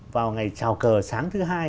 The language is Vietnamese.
vào ngày trào cờ sáng thứ hai